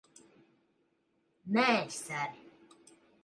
Nē, ser.